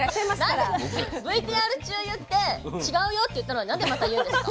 なんでＶＴＲ中言って違うよって言ったのになんでまた言うんですか。